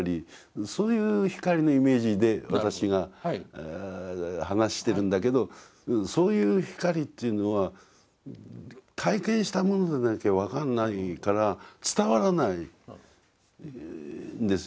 そういう光のイメージで私が話してるんだけどそういう光というのは体験した者じゃなきゃ分かんないから伝わらないんですよね。